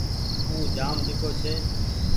اُو جآم ڍيڳو ڇي۔